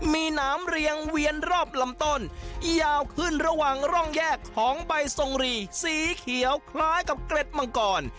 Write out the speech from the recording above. มีหนามเรียงเวียนรอบลำต้นยาวขึ้นระหว่างร่องแยกของใบทรงรีสีเขียวคล้ายกับเกร็ดมังกร